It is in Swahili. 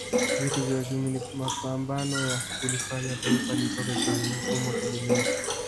Vita ya uchumi ni mapambano ya kulifanya Taifa litoke kwenye mfumo tegemezi